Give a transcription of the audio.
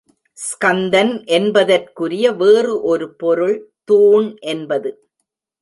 ஸ்கந்தன் என்பதற்குரிய வேறு ஒரு பொருள் தூண் என்பது.